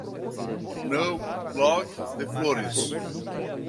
No blog de flores